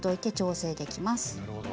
なるほど。